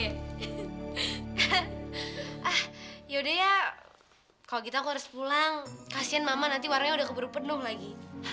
ah yaudah ya kalau gitu aku harus pulang pasien mama nanti warnanya udah keburu penuh lagi